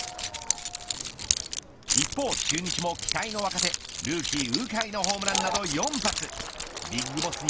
一方、中日も期待の若手ルーキー鵜飼のホームランなど４発。